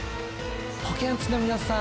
ポケんちの皆さん。